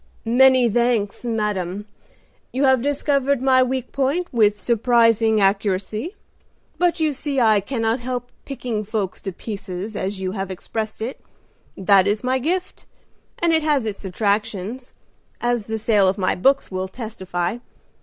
"Many thanks, madam; you have discovered my weak point with surprising accuracy. But you see I cannot help 'picking folks to pieces,' as you have expressed it; that is my gift, and it has its attractions, as the sale of my books will testify.